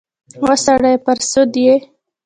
وا سړیه پر سد یې ؟